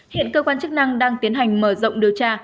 hiện cơ quan chức năng đang tiến hành mở rộng điều tra